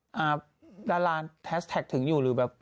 ศูนย์ดาราสถานย์ถึงอยู่หรือแบบ